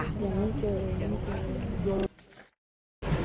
ยังไม่เจอ